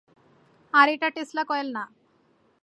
আর এটা Tesla coil না।